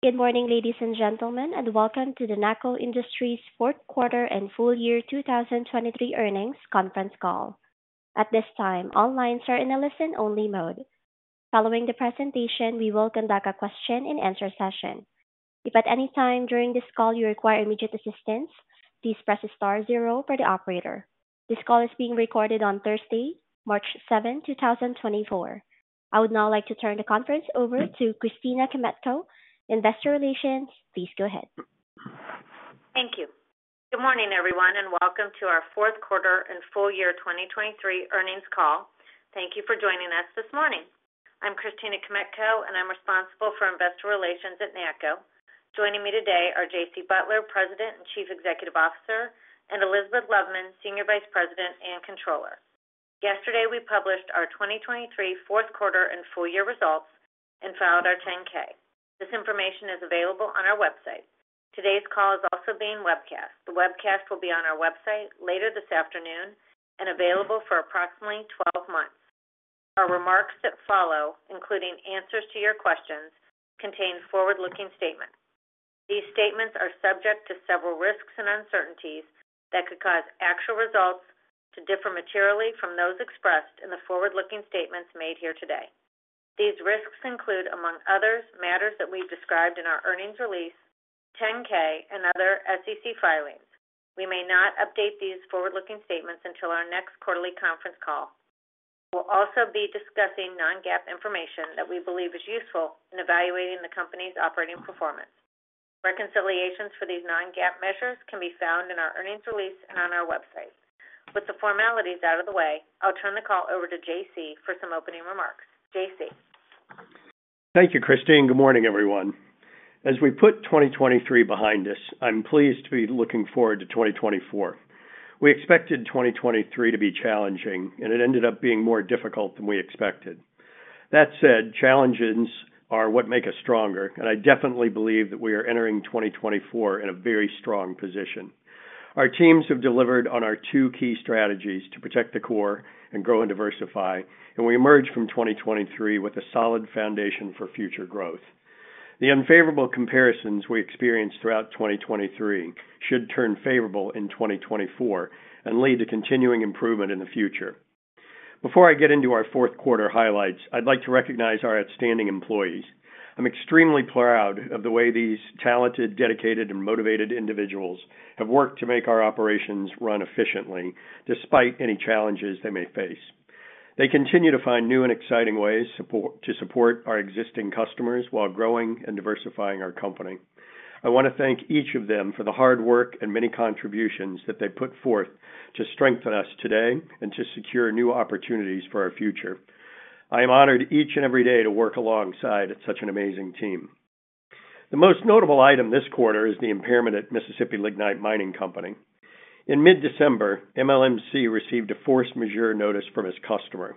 Good morning, ladies and gentlemen, and welcome to the NACCO Industries fourth quarter and full year 2023 earnings conference call. At this time, all lines are in a listen-only mode. Following the presentation, we will conduct a question-and-answer session. If at any time during this call you require immediate assistance, please press star 0 for the operator. This call is being recorded on Thursday, March 7, 2024. I would now like to turn the conference over to Christina Kmetko, Investor Relations. Please go ahead. Thank you. Good morning, everyone, and welcome to our fourth quarter and full year 2023 earnings call. Thank you for joining us this morning. I'm Christina Kmetko, and I'm responsible for Investor Relations at NACCO. Joining me today are J.C. Butler, President and Chief Executive Officer, and Elizabeth Loveman, Senior Vice President and Controller. Yesterday, we published our 2023 fourth quarter and full year results and filed our 10-K. This information is available on our website. Today's call is also being webcast. The webcast will be on our website later this afternoon and available for approximately 12 months. Our remarks that follow, including answers to your questions, contain forward-looking statements. These statements are subject to several risks and uncertainties that could cause actual results to differ materially from those expressed in the forward-looking statements made here today. These risks include, among others, matters that we've described in our earnings release, 10-K, and other SEC filings. We may not update these forward-looking statements until our next quarterly conference call. We'll also be discussing non-GAAP information that we believe is useful in evaluating the company's operating performance. Reconciliations for these non-GAAP measures can be found in our earnings release and on our website. With the formalities out of the way, I'll turn the call over to J.C. for some opening remarks. J.C. Thank you, Christina. Good morning, everyone. As we put 2023 behind us, I'm pleased to be looking forward to 2024. We expected 2023 to be challenging, and it ended up being more difficult than we expected. That said, challenges are what make us stronger, and I definitely believe that we are entering 2024 in a very strong position. Our teams have delivered on our two key strategies to protect the core and grow and diversify, and we emerge from 2023 with a solid foundation for future growth. The unfavorable comparisons we experienced throughout 2023 should turn favorable in 2024 and lead to continuing improvement in the future. Before I get into our fourth quarter highlights, I'd like to recognize our outstanding employees. I'm extremely proud of the way these talented, dedicated, and motivated individuals have worked to make our operations run efficiently despite any challenges they may face. They continue to find new and exciting ways to support our existing customers while growing and diversifying our company. I want to thank each of them for the hard work and many contributions that they put forth to strengthen us today and to secure new opportunities for our future. I am honored each and every day to work alongside such an amazing team. The most notable item this quarter is the impairment at Mississippi Lignite Mining Company. In mid-December, MLMC received a force majeure notice from its customer.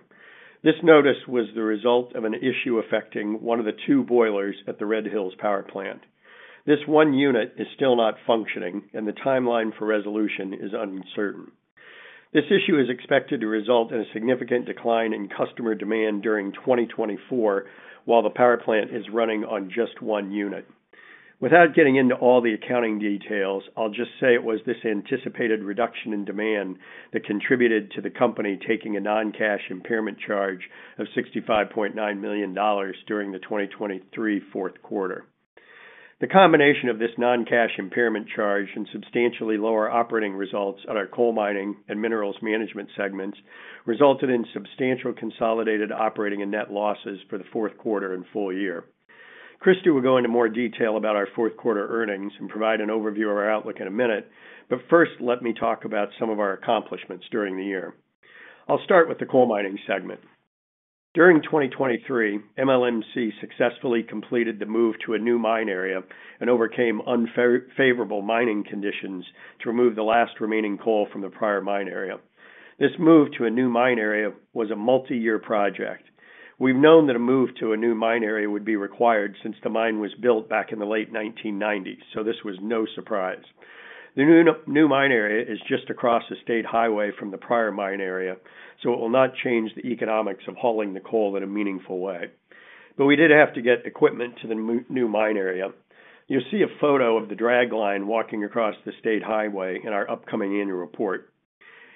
This notice was the result of an issue affecting one of the two boilers at the Red Hills Power Plant. This one unit is still not functioning, and the timeline for resolution is uncertain. This issue is expected to result in a significant decline in customer demand during 2024 while the power plant is running on just one unit. Without getting into all the accounting details, I'll just say it was this anticipated reduction in demand that contributed to the company taking a non-cash impairment charge of $65.9 million during the 2023 fourth quarter. The combination of this non-cash impairment charge and substantially lower operating results at our coal mining and minerals management segments resulted in substantial consolidated operating and net losses for the fourth quarter and full year. Christy will go into more detail about our fourth quarter earnings and provide an overview of our outlook in a minute, but first, let me talk about some of our accomplishments during the year. I'll start with the coal mining segment. During 2023, MLMC successfully completed the move to a new mine area and overcame unfavorable mining conditions to remove the last remaining coal from the prior mine area. This move to a new mine area was a multi-year project. We've known that a move to a new mine area would be required since the mine was built back in the late 1990s, so this was no surprise. The new mine area is just across the state highway from the prior mine area, so it will not change the economics of hauling the coal in a meaningful way. But we did have to get equipment to the new mine area. You'll see a photo of the dragline walking across the state highway in our upcoming annual report.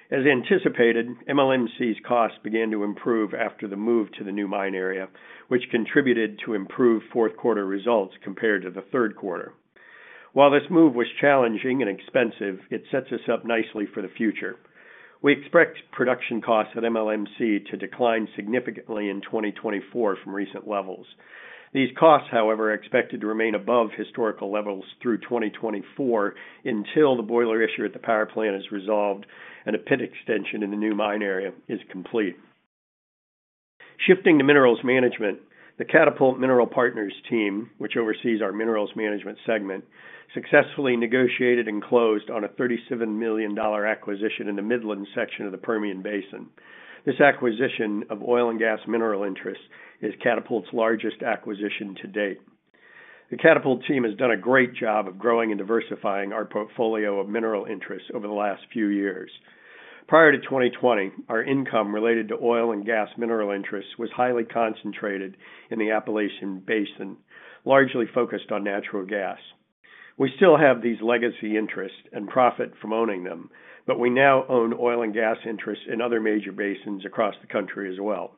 As anticipated, MLMC's costs began to improve after the move to the new mine area, which contributed to improved fourth quarter results compared to the third quarter. While this move was challenging and expensive, it sets us up nicely for the future. We expect production costs at MLMC to decline significantly in 2024 from recent levels. These costs, however, are expected to remain above historical levels through 2024 until the boiler issue at the power plant is resolved and a pit extension in the new mine area is complete. Shifting to minerals management, the Catapult Mineral Partners team, which oversees our minerals management segment, successfully negotiated and closed on a $37 million acquisition in the Midland section of the Permian Basin. This acquisition of oil and gas mineral interests is Catapult's largest acquisition to date. The Catapult team has done a great job of growing and diversifying our portfolio of mineral interests over the last few years. Prior to 2020, our income related to oil and gas mineral interests was highly concentrated in the Appalachian Basin, largely focused on natural gas. We still have these legacy interests and profit from owning them, but we now own oil and gas interests in other major basins across the country as well.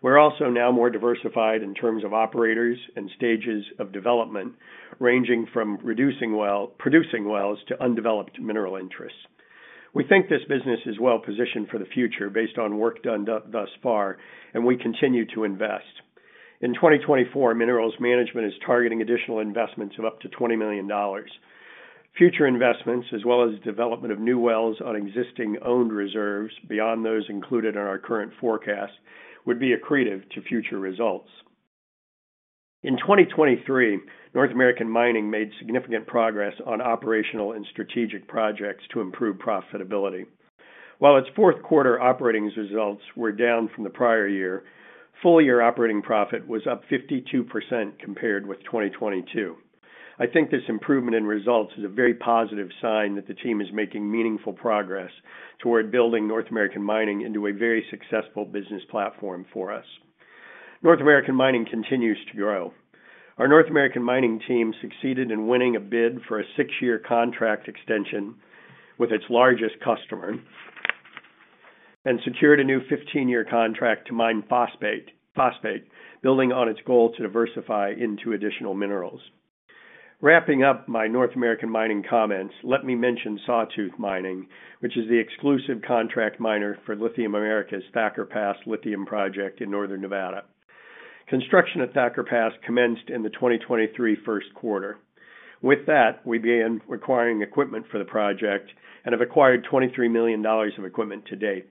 We're also now more diversified in terms of operators and stages of development ranging from producing wells to undeveloped mineral interests. We think this business is well positioned for the future based on work done thus far, and we continue to invest. In 2024, minerals management is targeting additional investments of up to $20 million. Future investments, as well as development of new wells on existing owned reserves beyond those included in our current forecast, would be accretive to future results. In 2023, North American Mining made significant progress on operational and strategic projects to improve profitability. While its fourth quarter operating results were down from the prior year, full-year operating profit was up 52% compared with 2022. I think this improvement in results is a very positive sign that the team is making meaningful progress toward building North American Mining into a very successful business platform for us. North American Mining continues to grow. Our North American Mining team succeeded in winning a bid for a six-year contract extension with its largest customer and secured a new 15-year contract to mine phosphate, building on its goal to diversify into additional minerals. Wrapping up my North American Mining comments, let me mention Sawtooth Mining, which is the exclusive contract miner for Lithium Americas' Thacker Pass lithium project in northern Nevada. Construction at Thacker Pass commenced in the 2023 first quarter. With that, we began requiring equipment for the project and have acquired $23 million of equipment to date.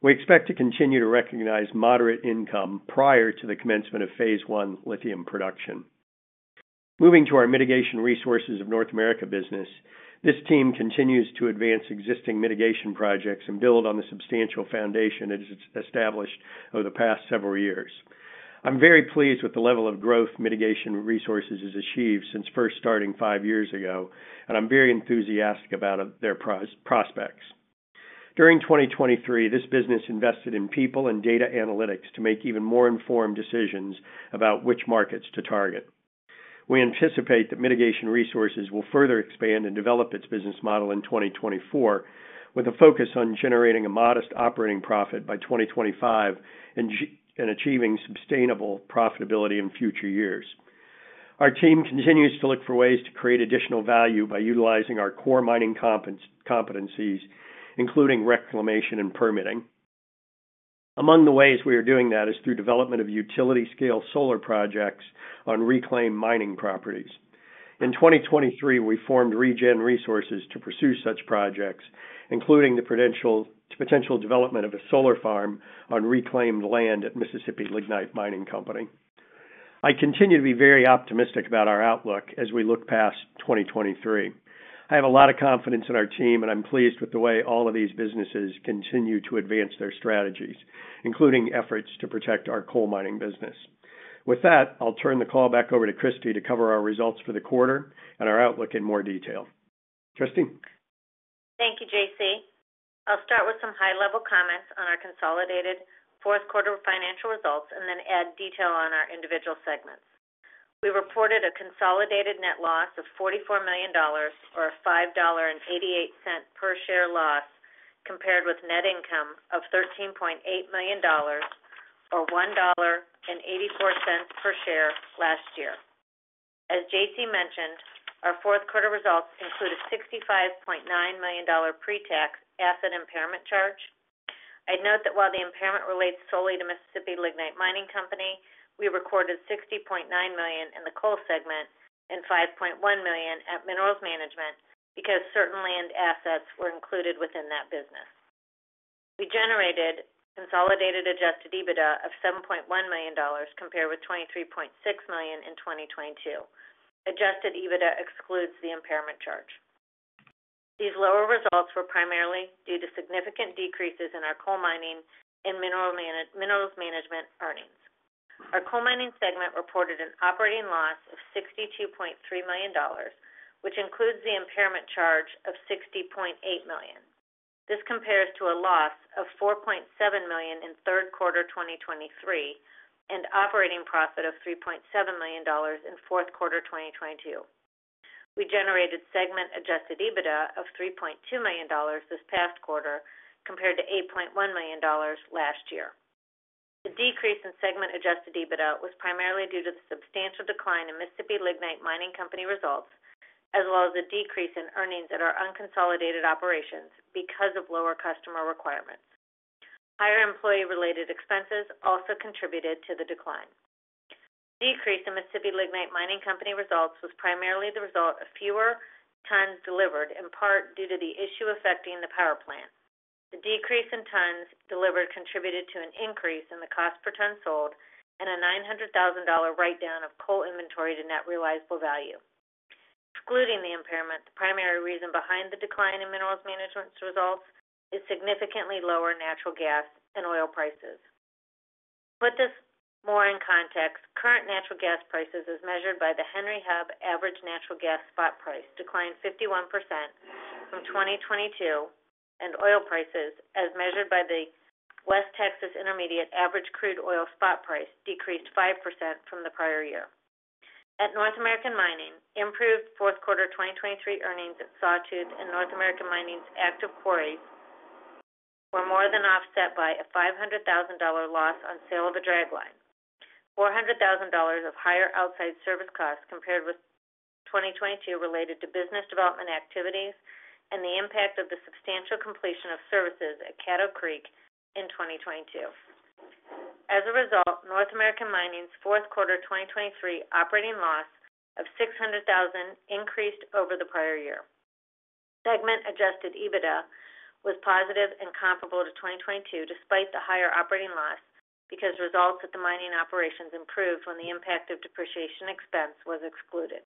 We expect to continue to recognize moderate income prior to the commencement of phase one lithium production. Moving to our Mitigation Resources of North America business, this team continues to advance existing mitigation projects and build on the substantial foundation it has established over the past several years. I'm very pleased with the level of growth Mitigation Resources has achieved since first starting five years ago, and I'm very enthusiastic about their prospects. During 2023, this business invested in people and data analytics to make even more informed decisions about which markets to target. We anticipate that Mitigation Resources will further expand and develop its business model in 2024 with a focus on generating a modest operating profit by 2025 and achieving sustainable profitability in future years. Our team continues to look for ways to create additional value by utilizing our core mining competencies, including reclamation and permitting. Among the ways we are doing that is through development of utility-scale solar projects on reclaimed mining properties. In 2023, we formed ReGen Resources to pursue such projects, including the potential development of a solar farm on reclaimed land at Mississippi Lignite Mining Company. I continue to be very optimistic about our outlook as we look past 2023. I have a lot of confidence in our team, and I'm pleased with the way all of these businesses continue to advance their strategies, including efforts to protect our coal mining business. With that, I'll turn the call back over to Christina to cover our results for the quarter and our outlook in more detail. Christina? Thank you, J.C. I'll start with some high-level comments on our consolidated fourth quarter financial results and then add detail on our individual segments. We reported a consolidated net loss of $44 million or a $5.88 per share loss compared with net income of $13.8 million or $1.84 per share last year. As J.C. mentioned, our fourth quarter results include a $65.9 million pre-tax asset impairment charge. I'd note that while the impairment relates solely to Mississippi Lignite Mining Company, we recorded $60.9 million in the coal segment and $5.1 million at minerals management because certain land assets were included within that business. We generated consolidated Adjusted EBITDA of $7.1 million compared with $23.6 million in 2022. Adjusted EBITDA excludes the impairment charge. These lower results were primarily due to significant decreases in our coal mining and minerals management earnings. Our coal mining segment reported an operating loss of $62.3 million, which includes the impairment charge of $60.8 million. This compares to a loss of $4.7 million in third quarter 2023 and operating profit of $3.7 million in fourth quarter 2022. We generated Segment Adjusted EBITDA of $3.2 million this past quarter compared to $8.1 million last year. The decrease in Segment Adjusted EBITDA was primarily due to the substantial decline in Mississippi Lignite Mining Company results as well as the decrease in earnings at our unconsolidated operations because of lower customer requirements. Higher employee-related expenses also contributed to the decline. The decrease in Mississippi Lignite Mining Company results was primarily the result of fewer tons delivered, in part due to the issue affecting the power plant. The decrease in tons delivered contributed to an increase in the cost per ton sold and a $900,000 write-down of coal inventory to net realizable value. Excluding the impairment, the primary reason behind the decline in minerals management results is significantly lower natural gas and oil prices. To put this more in context, current natural gas prices as measured by the Henry Hub average natural gas spot price declined 51% from 2022, and oil prices as measured by the West Texas Intermediate average crude oil spot price decreased 5% from the prior year. At North American Mining, improved fourth quarter 2023 earnings at Sawtooth and North American Mining's Active Quarries were more than offset by a $500,000 loss on sale of a dragline, $400,000 of higher outside service costs compared with 2022 related to business development activities and the impact of the substantial completion of services at Caddo Creek in 2022. As a result, North American Mining's fourth quarter 2023 operating loss of $600,000 increased over the prior year. Segment Adjusted EBITDA was positive and comparable to 2022 despite the higher operating loss because results at the mining operations improved when the impact of depreciation expense was excluded.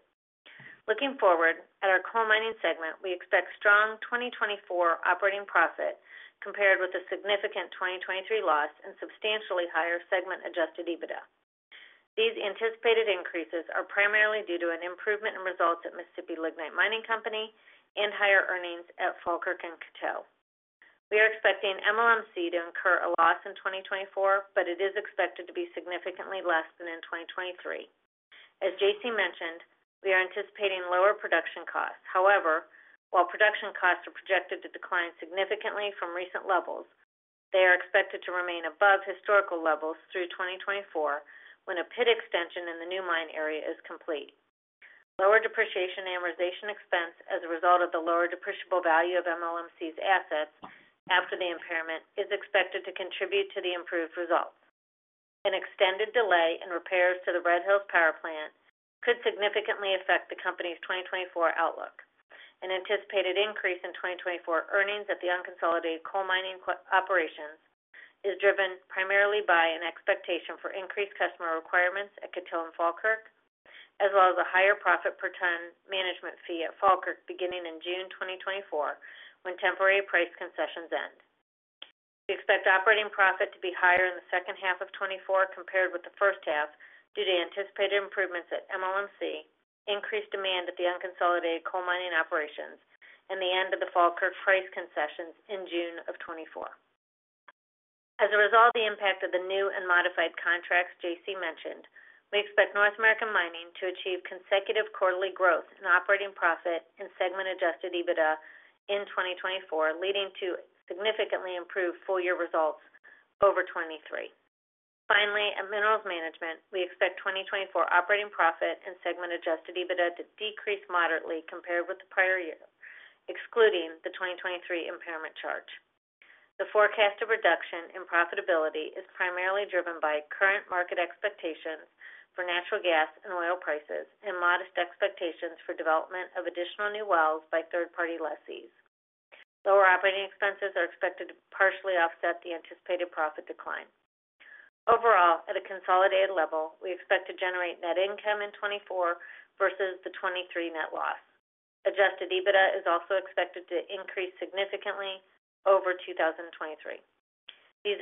Looking forward, at our coal mining segment, we expect strong 2024 operating profit compared with a significant 2023 loss and substantially higher Segment Adjusted EBITDA. These anticipated increases are primarily due to an improvement in results at Mississippi Lignite Mining Company and higher earnings at Falkirk and Coteau. We are expecting MLMC to incur a loss in 2024, but it is expected to be significantly less than in 2023. As J.C. mentioned, we are anticipating lower production costs. However, while production costs are projected to decline significantly from recent levels, they are expected to remain above historical levels through 2024 when a pit extension in the new mine area is complete. Lower depreciation amortization expense as a result of the lower depreciable value of MLMC's assets after the impairment is expected to contribute to the improved results. An extended delay in repairs to the Red Hills Power Plant could significantly affect the company's 2024 outlook. An anticipated increase in 2024 earnings at the unconsolidated coal mining operations is driven primarily by an expectation for increased customer requirements at Coteau and Falkirk, as well as a higher profit per ton management fee at Falkirk beginning in June 2024 when temporary price concessions end. We expect operating profit to be higher in the second half of 2024 compared with the first half due to anticipated improvements at MLMC, increased demand at the unconsolidated coal mining operations, and the end of the Falkirk price concessions in June of 2024. As a result, the impact of the new and modified contracts J.C. mentioned. We expect North American Mining to achieve consecutive quarterly growth in operating profit and Segment Adjusted EBITDA in 2024, leading to significantly improved full-year results over 2023. Finally, at minerals management, we expect 2024 operating profit and segment Adjusted EBITDA to decrease moderately compared with the prior year, excluding the 2023 impairment charge. The forecast of reduction in profitability is primarily driven by current market expectations for natural gas and oil prices and modest expectations for development of additional new wells by third-party lessees. Lower operating expenses are expected to partially offset the anticipated profit decline. Overall, at a consolidated level, we expect to generate net income in 2024 versus the 2023 net loss. Adjusted EBITDA is also expected to increase significantly over 2023. These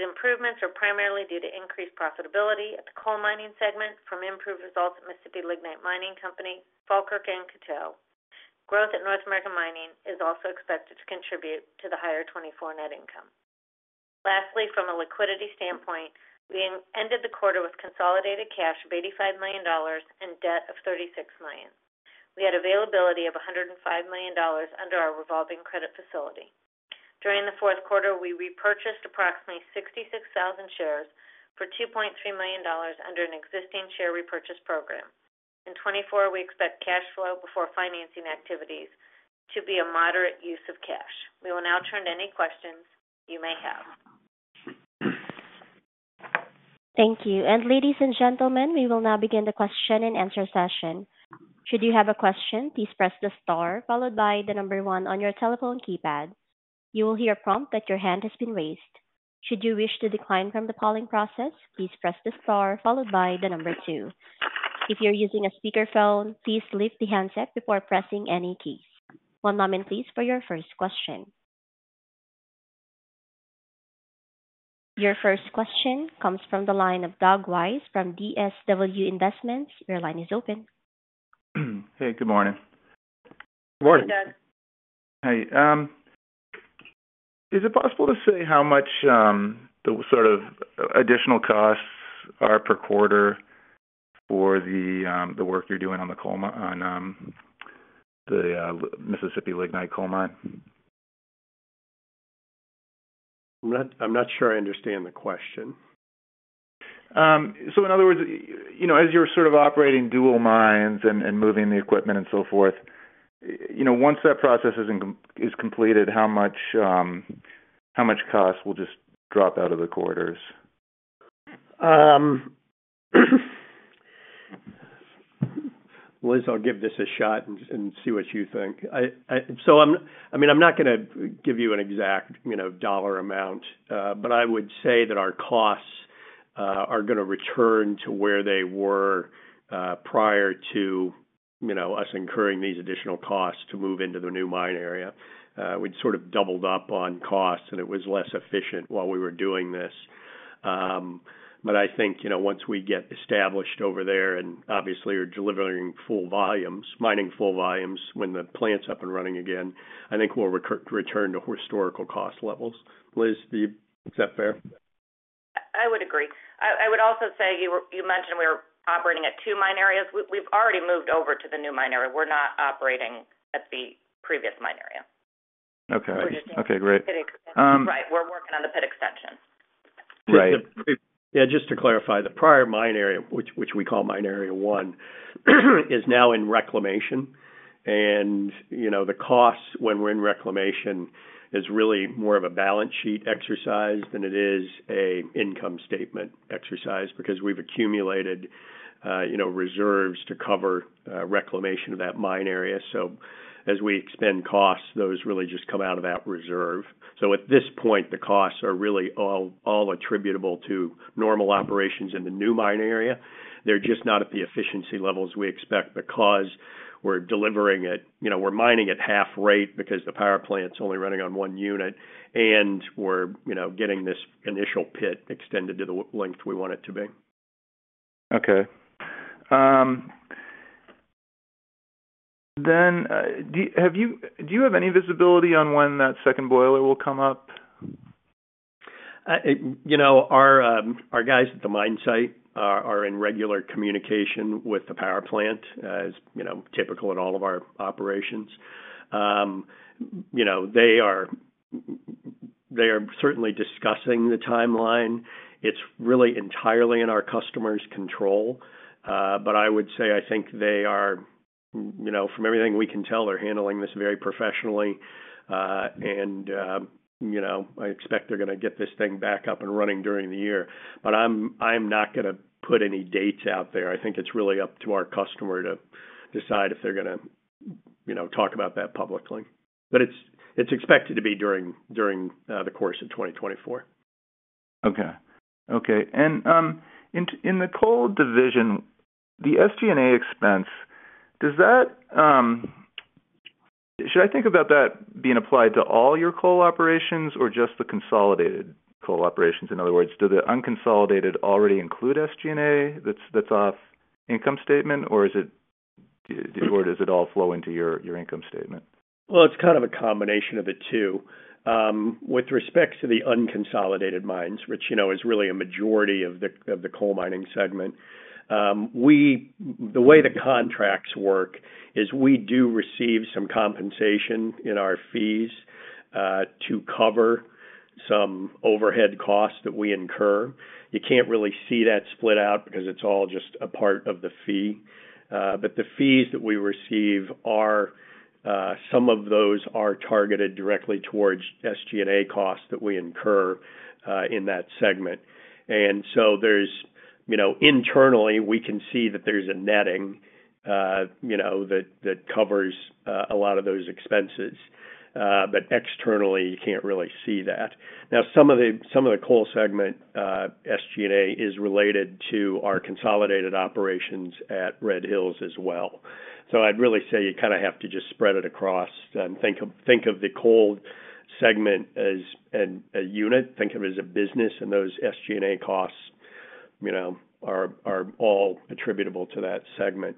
improvements are primarily due to increased profitability at the coal mining segment from improved results at Mississippi Lignite Mining Company, Falkirk, and Coteau. Growth at North American Mining is also expected to contribute to the higher 2024 net income. Lastly, from a liquidity standpoint, we ended the quarter with consolidated cash of $85 million and debt of $36 million. We had availability of $105 million under our revolving credit facility. During the fourth quarter, we repurchased approximately 66,000 shares for $2.3 million under an existing share repurchase program. In 2024, we expect cash flow before financing activities to be a moderate use of cash. We will now turn to any questions you may have. Thank you. Ladies and gentlemen, we will now begin the question and answer session. Should you have a question, please press the star followed by the number one on your telephone keypad. You will hear a prompt that your hand has been raised. Should you wish to decline from the polling process, please press the star followed by the number two. If you're using a speakerphone, please lift the handset before pressing any keys. One moment, please, for your first question. Your first question comes from the line of Doug Weiss from DSW Investment. Your line is open. Hey, good morning. Good morning. Hey, Doug. Hey. Is it possible to say how much the sort of additional costs are per quarter for the work you're doing on the Mississippi Lignite coal mine? I'm not sure I understand the question. So in other words, as you're sort of operating dual mines and moving the equipment and so forth, once that process is completed, how much cost will just drop out of the quarters? Well, I'll give this a shot and see what you think. So I mean, I'm not going to give you an exact dollar amount, but I would say that our costs are going to return to where they were prior to us incurring these additional costs to move into the new mine area. We'd sort of doubled up on costs, and it was less efficient while we were doing this. But I think once we get established over there and obviously are delivering full volumes, mining full volumes when the plant's up and running again, I think we'll return to historical cost levels. Liz, is that fair? I would agree. I would also say you mentioned we were operating at two mine areas. We've already moved over to the new mine area. We're not operating at the previous mine area. Okay. Okay. Great. Right. We're working on the pit extension. Right. Yeah. Just to clarify, the prior mine area, which we call mine area one, is now in reclamation. And the costs when we're in reclamation is really more of a balance sheet exercise than it is an income statement exercise because we've accumulated reserves to cover reclamation of that mine area. So as we expend costs, those really just come out of that reserve. So at this point, the costs are really all attributable to normal operations in the new mine area. They're just not at the efficiency levels we expect because we're mining at half rate because the power plant's only running on one unit, and we're getting this initial pit extended to the length we want it to be. Okay. Then do you have any visibility on when that second boiler will come up? Our guys at the mine site are in regular communication with the power plant, as typical in all of our operations. They are certainly discussing the timeline. It's really entirely in our customer's control. But I would say I think they are from everything we can tell, they're handling this very professionally. And I expect they're going to get this thing back up and running during the year. But I'm not going to put any dates out there. I think it's really up to our customer to decide if they're going to talk about that publicly. But it's expected to be during the course of 2024. Okay. Okay. And in the coal division, the SG&A expense, should I think about that being applied to all your coal operations or just the consolidated coal operations? In other words, do the unconsolidated already include SG&A that's off income statement, or does it all flow into your income statement? Well, it's kind of a combination of the two. With respect to the unconsolidated mines, which is really a majority of the coal mining segment, the way the contracts work is we do receive some compensation in our fees to cover some overhead costs that we incur. You can't really see that split out because it's all just a part of the fee. But the fees that we receive, some of those are targeted directly towards SG&A costs that we incur in that segment. And so internally, we can see that there's a netting that covers a lot of those expenses. But externally, you can't really see that. Now, some of the coal segment SG&A is related to our consolidated operations at Red Hills as well. So I'd really say you kind of have to just spread it across and think of the coal segment as a unit. Think of it as a business, and those SG&A costs are all attributable to that segment.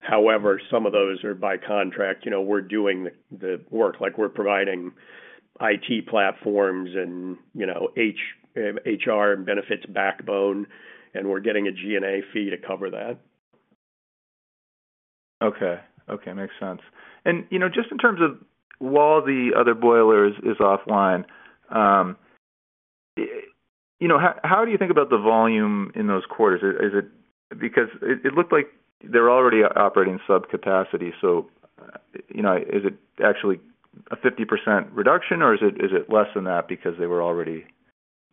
However, some of those are by contract. We're doing the work. We're providing IT platforms and HR and benefits backbone, and we're getting a G&A fee to cover that. Okay. Okay. Makes sense. Just in terms of while the other boiler is offline, how do you think about the volume in those quarters? Because it looked like they're already operating subcapacity. So is it actually a 50% reduction, or is it less than that because they were already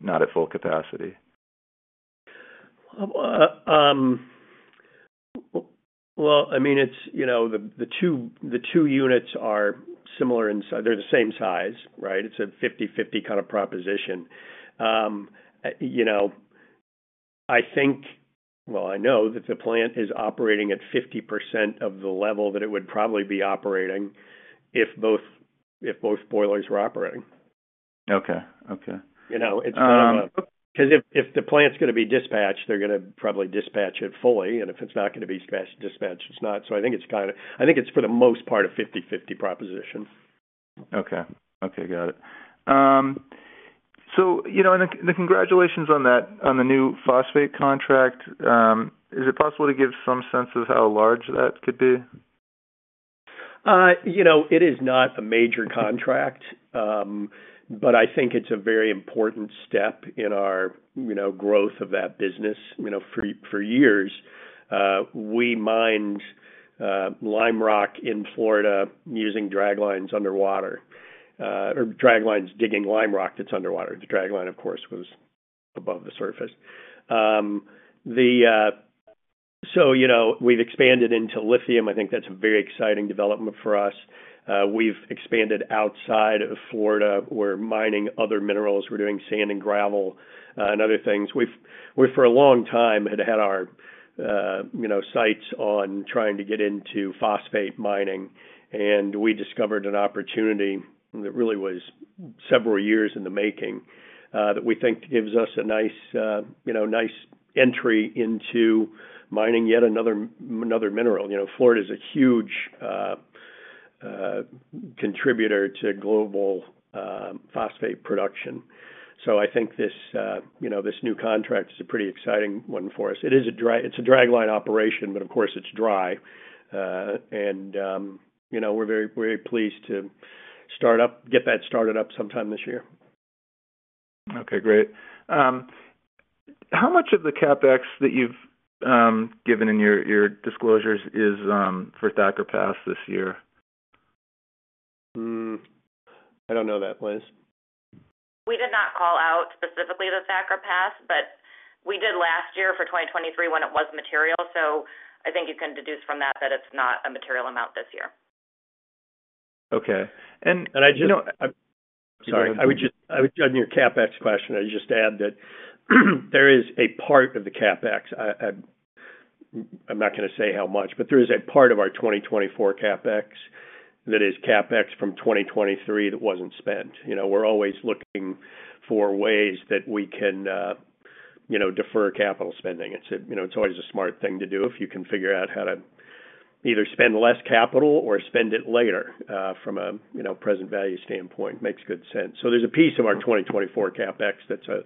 not at full capacity? Well, I mean, the two units are similar inside. They're the same size, right? It's a 50/50 kind of proposition. I think, well, I know that the plant is operating at 50% of the level that it would probably be operating if both boilers were operating. Okay. Okay. Because if the plant's going to be dispatched, they're going to probably dispatch it fully. And if it's not going to be dispatched, it's not. So I think it's kind of for the most part a 50/50 proposition. Okay. Okay. Got it. So, the congratulations on the new phosphate contract. Is it possible to give some sense of how large that could be? It is not a major contract, but I think it's a very important step in our growth of that business. For years, we mined limerock in Florida using draglines underwater or draglines digging limerock that's underwater. The dragline, of course, was above the surface. So we've expanded into lithium. I think that's a very exciting development for us. We've expanded outside of Florida. We're mining other minerals. We're doing sand and gravel and other things. We, for a long time, had had our sights on trying to get into phosphate mining. And we discovered an opportunity that really was several years in the making that we think gives us a nice entry into mining yet another mineral. Florida is a huge contributor to global phosphate production. So I think this new contract is a pretty exciting one for us. It's a dragline operation, but of course, it's dry. We're very pleased to get that started up sometime this year. Okay. Great. How much of the CapEx that you've given in your disclosures is for Thacker Pass this year? I don't know that. Liz? We did not call out specifically the Thacker Pass, but we did last year for 2023 when it was material. So I think you can deduce from that that it's not a material amount this year. Okay. I just. I just. Sorry. I would add to your CapEx question. I'd just add that there is a part of the CapEx I'm not going to say how much, but there is a part of our 2024 CapEx that is CapEx from 2023 that wasn't spent. We're always looking for ways that we can defer capital spending. It's always a smart thing to do if you can figure out how to either spend less capital or spend it later from a present value standpoint. Makes good sense. So there's a piece of our 2024 CapEx that's a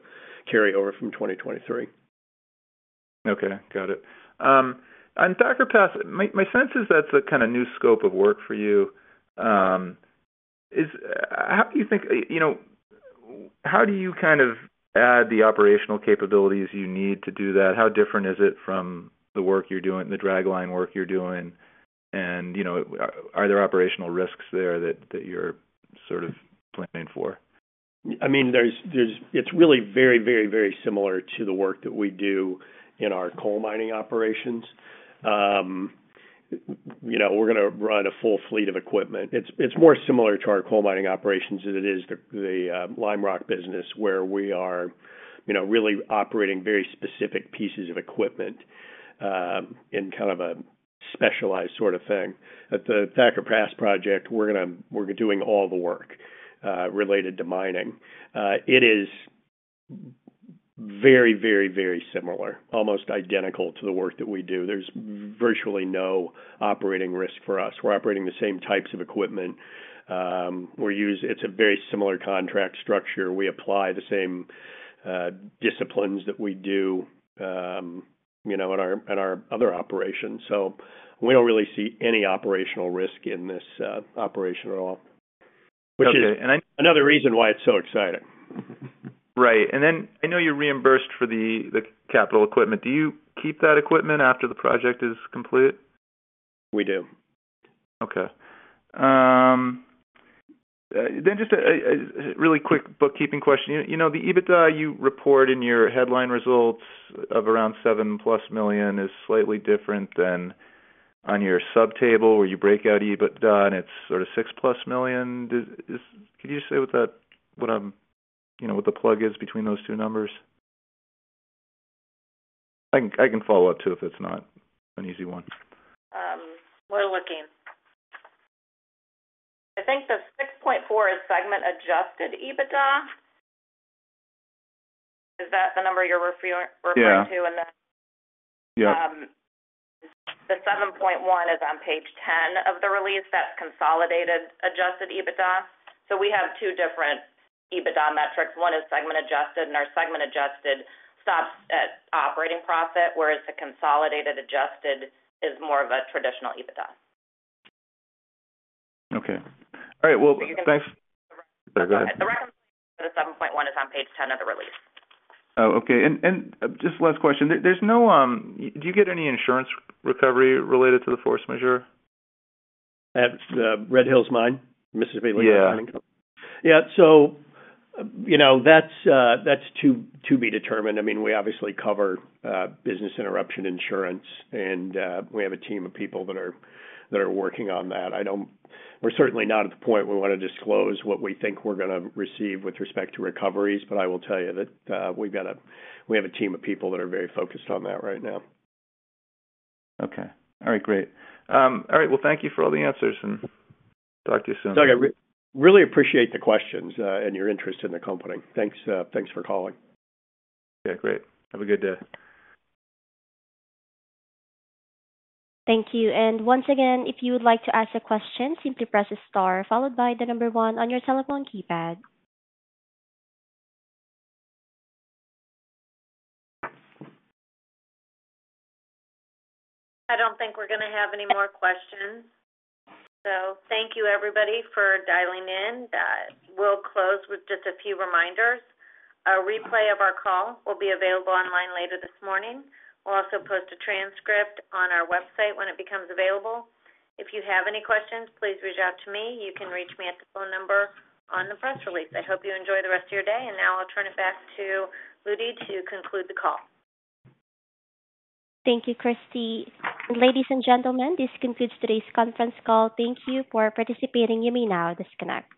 carryover from 2023. Okay. Got it. On Thacker Pass, my sense is that's a kind of new scope of work for you. How do you kind of add the operational capabilities you need to do that? How different is it from the work you're doing, the dragline work you're doing? And are there operational risks there that you're sort of planning for? I mean, it's really very, very, very similar to the work that we do in our coal mining operations. We're going to run a full fleet of equipment. It's more similar to our coal mining operations than it is the limerock business where we are really operating very specific pieces of equipment in kind of a specialized sort of thing. At the Thacker Pass project, we're doing all the work related to mining. It is very, very, very similar, almost identical to the work that we do. There's virtually no operating risk for us. We're operating the same types of equipment. It's a very similar contract structure. We apply the same disciplines that we do in our other operations. So we don't really see any operational risk in this operation at all, which is another reason why it's so exciting. Right. And then I know you're reimbursed for the capital equipment. Do you keep that equipment after the project is complete? We do. Okay. Then just a really quick bookkeeping question. The EBITDA you report in your headline results of around $7+ million is slightly different than on your subtable where you break out EBITDA, and it's sort of $6+ million. Could you just say what the plug is between those two numbers? I can follow up too if it's not an easy one. We're looking. I think the 6.4 is segment-adjusted EBITDA. Is that the number you're referring to? Yeah. Yeah. The 7.1 is on page 10 of the release. That's consolidated adjusted EBITDA. So we have two different EBITDA metrics. One is segment-adjusted, and our segment-adjusted stops at operating profit, whereas the consolidated adjusted is more of a traditional EBITDA. Okay. All right. Well, thanks. You can go ahead. Go ahead. The reconciliation for the 7.1 is on page 10 of the release. Oh, okay. And just last question. Do you get any insurance recovery related to the force majeure? At Red Hills Mine, Mississippi Lignite's insurance company? Yeah. Yeah. So that's to be determined. I mean, we obviously cover business interruption insurance, and we have a team of people that are working on that. We're certainly not at the point where we want to disclose what we think we're going to receive with respect to recoveries, but I will tell you that we have a team of people that are very focused on that right now. Okay. All right. Great. All right. Well, thank you for all the answers, and talk to you soon. Doug, I really appreciate the questions and your interest in the company. Thanks for calling. Yeah. Great. Have a good day. Thank you. Once again, if you would like to ask a question, simply press a star followed by the number one on your telephone keypad. I don't think we're going to have any more questions. Thank you, everybody, for dialing in. We'll close with just a few reminders. A replay of our call will be available online later this morning. We'll also post a transcript on our website when it becomes available. If you have any questions, please reach out to me. You can reach me at the phone number on the press release. I hope you enjoy the rest of your day. Now I'll turn it back to Rudy to conclude the call. Thank you, Christina. Ladies and gentlemen, this concludes today's conference call. Thank you for participating. You may now disconnect.